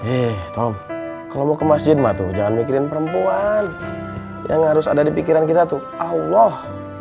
eh tom kalau mau ke masjid mah tuh jangan mikirin perempuan yang harus ada di pikiran kita tuh allah